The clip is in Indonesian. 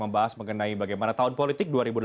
membahas mengenai bagaimana tahun politik